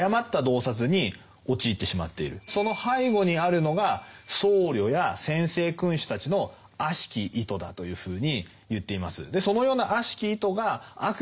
その背後にあるのが僧侶や専制君主たちの悪しき意図だというふうに言っています。